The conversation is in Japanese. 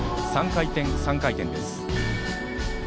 ３回転、３回転です。